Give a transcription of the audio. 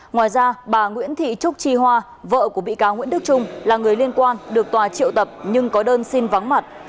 ngoài ra bà nguyễn thị trúc chi hoa vợ của bị cáo nguyễn đức trung là người liên quan được tòa triệu tập nhưng có đơn xin vắng mặt